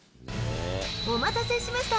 お待たせしました。